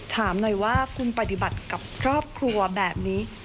ถามหน่อยว่าคุณปฏิบัติกับครอบครัวแบบนี้